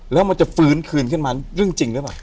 แล้วมันจะฟื้นคืนขึ้นมาเรื่องจริงหรือเปล่า